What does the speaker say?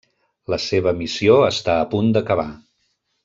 La seva missió està a punt d'acabar.